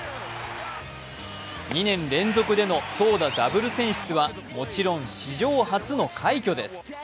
２年連続での投打ダブル選出はもちろん史上初の快挙です。